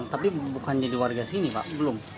tapi bukan jadi warga sini pak belum